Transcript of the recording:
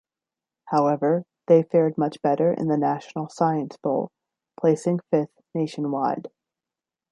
However, they fared much better in the National Science Bowl, placing fifth nationwide.